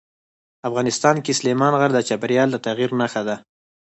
افغانستان کې سلیمان غر د چاپېریال د تغیر نښه ده.